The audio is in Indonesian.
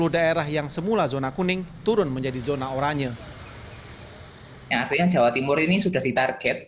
daerah yang semula zona kuning turun menjadi zona oranye artinya jawa timur ini sudah ditarget